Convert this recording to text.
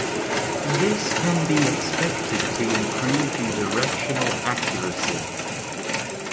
This can be expected to improve the directional accuracy.